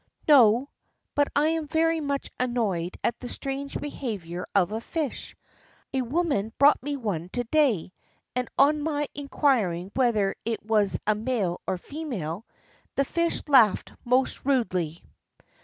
"No; but I am very much annoyed at the strange behavior of a fish. A woman brought me one to day, and on my inquiring whether it was a male or female, the fish laughed most rudely."